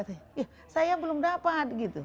dia saya belum dapat